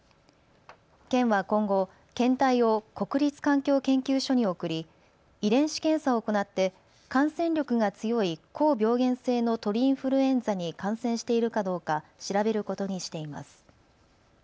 県は今後、検体を国立環境研究所に送り遺伝子検査を行って感染力が強い高病原性の鳥インフルエンザに感染しているかどうか調べることにしています。